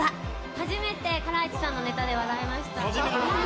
初めてハライチさんのネタで笑いました。